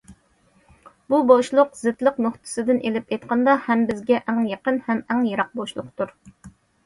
بۇ بوشلۇق، زىتلىق نۇقتىسىدىن ئېلىپ ئېيتقاندا، ھەم بىزگە ئەڭ يېقىن ھەم ئەڭ يىراق بوشلۇقتۇر.